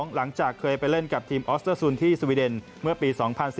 หลังจากเคยไปเล่นกับทีมออสเตอร์ซูลที่สวีเดนเมื่อปี๒๐๑๙